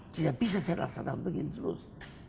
tidak bisa saya rasa dalam begini terus